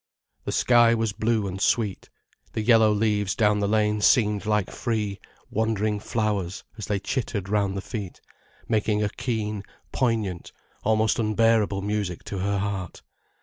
The sky was blue and sweet, the yellow leaves down the lane seemed like free, wandering flowers as they chittered round the feet, making a keen, poignant, almost unbearable music to her heart.